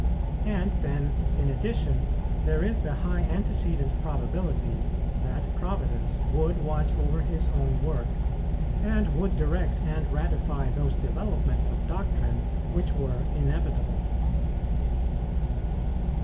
And then, in addition, there is the high antecedent probability that Providence would watch over His own work, and would direct and ratify those developments of doctrine which were inevitable.